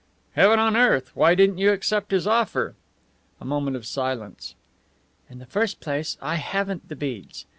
"Heaven on earth, why didn't you accept his offer?" A moment of silence. "In the first place, I haven't the beads.